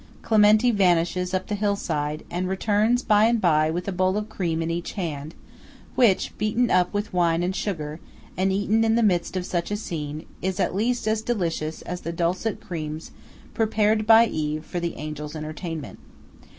Clementi vanishes up the hill side, and returns by and by with a bowl of cream in each hand, which, beaten up with wine and sugar, and eaten in the midst of such a scene, is at least as delicious as the "dulcet creams" prepared by Eve for the Angel's entertainment.